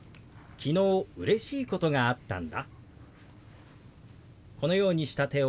昨日うれしいことがあったんだ。